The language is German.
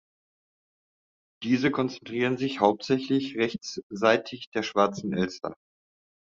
Diese konzentrieren sich hauptsächlich rechtsseitig der Schwarzen Elster.